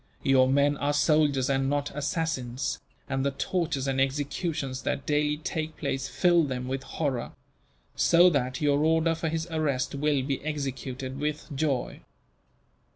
Your men are soldiers and not assassins, and the tortures and executions that daily take place fill them with horror; so that your order for his arrest will be executed with joy.